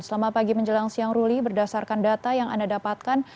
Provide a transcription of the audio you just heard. selamat pagi menjelang siang ruli berdasarkan data yang anda dapatkan